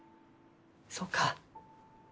そうか。